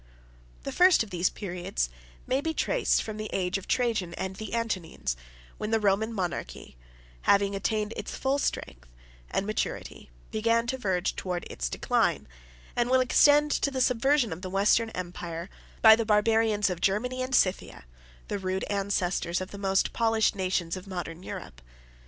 The first of these periods may be traced from the age of Trajan and the Antonines, when the Roman monarchy, having attained its full strength and maturity, began to verge towards its decline; and will extend to the subversion of the Western Empire, by the barbarians of Germany and Scythia, the rude ancestors of the most polished nations of modern Europe.